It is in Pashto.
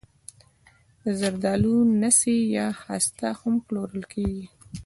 د زردالو نڅي یا خسته هم پلورل کیږي.